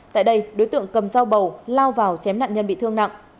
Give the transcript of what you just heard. tại đây đối tượng cầm dao bầu lao vào chém nạn nhân bị thương nặng